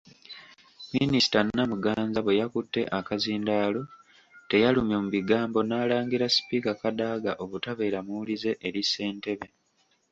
Minisita Namuganza bwe yakutte akazindaalo teyalumye mu bigambo n'alangira Sipiika Kadaga obutabeera muwulize eri Ssentebe.